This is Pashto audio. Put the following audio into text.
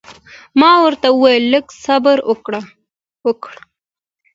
ما ورته وویل لږ صبر وکړه.